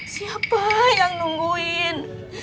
siapa yang nungguin